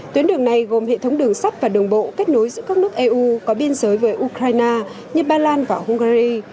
tuyến đường này gồm hệ thống đường sắt và đường bộ kết nối giữa các nước eu có biên giới với ukraine như bà lan và hungary